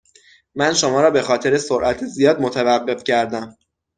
من شما را به خاطر سرعت زیاد متوقف کردم.